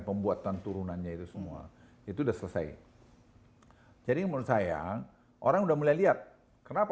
pembuatan turunannya itu semua itu udah selesai jadi menurut saya orang udah mulai lihat kenapa